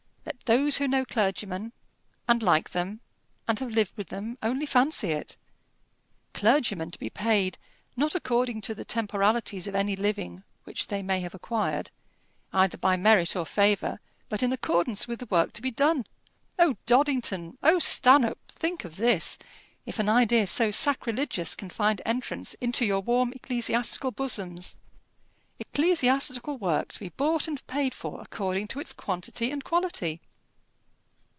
Let those who know clergymen, and like them, and have lived with them, only fancy it! Clergymen to be paid, not according to the temporalities of any living which they may have acquired either by merit or favour, but in accordance with the work to be done! O Doddington! and O Stanhope, think of this, if an idea so sacrilegious can find entrance into your warm ecclesiastical bosoms! Ecclesiastical work to be bought and paid for according to its quantity and quality!